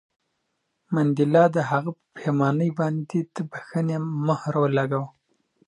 منډېلا د هغه په پښېمانۍ باندې د بښنې مهر ولګاوه.